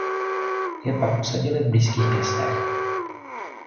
Je pak usadili v blízkých městech.